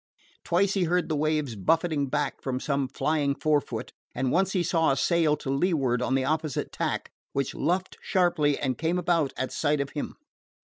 Twice he heard the waves buffeted back from some flying forefoot, and once he saw a sail to leeward on the opposite tack, which luffed sharply and came about at sight of him.